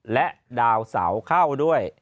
และดาวเสาเข้าด้วย